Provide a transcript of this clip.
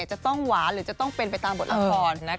จะต้องหวานหรือจะต้องเป็นไปตามบทละคร